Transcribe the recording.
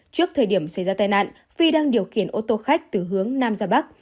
trước thời điểm xảy ra tai nạn phi đang điều khiển ô tô khách từ hướng nam ra bắc